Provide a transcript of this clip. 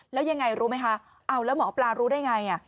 แล้วยังไงรู้ไหมคะเอาแล้วหมอปลารู้ได้ไง